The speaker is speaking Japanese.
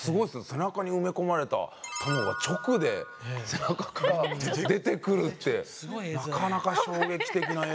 背中に埋め込まれた卵が直で背中から出てくるってなかなか衝撃的な映像でしたよね。